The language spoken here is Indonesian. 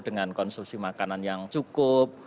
dengan konsumsi makanan yang cukup